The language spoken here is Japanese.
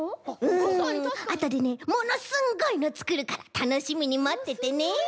あとでねものすんごいのつくるからたのしみにまっててね！